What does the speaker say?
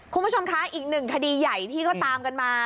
คุณผู้ชมคะอีกหนึ่งคดีใหญ่ที่ก็ตามกันมา